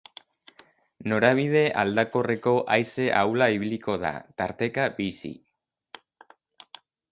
Norabide aldakorreko haize ahula ibiliko da, tarteka bizi.